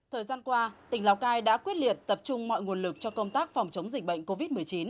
thời gian qua tỉnh lào cai đã quyết liệt tập trung mọi nguồn lực cho công tác phòng chống dịch bệnh covid một mươi chín